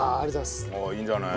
ああいいんじゃない？